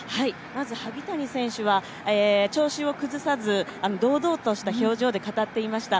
まず萩谷選手は、調子を崩さず堂々とした表情で語っていました。